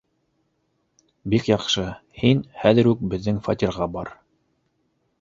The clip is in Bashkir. — Бик яҡшы, һин хәҙер үк беҙҙең фатирға бар.